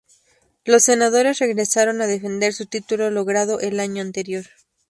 Los Senadores regresaron a defender su título logrado el año anterior.